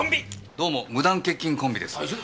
どうも無断欠勤コンビです。